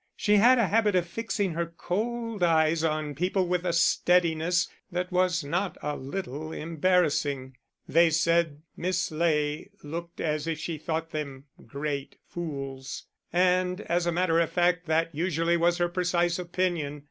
She had a habit of fixing her cold eyes on people with a steadiness that was not a little embarrassing. They said Miss Ley looked as if she thought them great fools, and as a matter of fact that usually was her precise opinion.